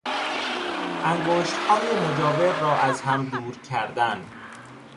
انگشتهای مجاور را از هم دور کردن